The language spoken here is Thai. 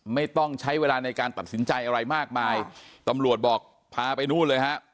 ไม่ต้องใช้เวลาในการตัดสินใจอะไรมากมายตำรวจบอกพาไปนู่นเลยฮะ